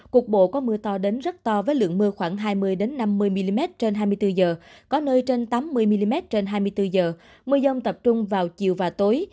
cục bộ có mưa to đến rất to với lượng mưa khoảng hai mươi năm mươi mm trên hai mươi bốn h có nơi trên tám mươi mm trên hai mươi bốn h mưa dông tập trung vào chiều và tối